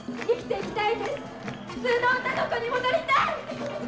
普通の女の子に戻りたい！